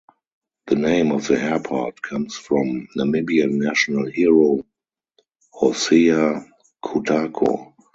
The name of the airport comes from Namibian national hero Hosea Kutako.